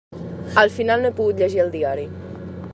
Al final no he pogut llegir el diari.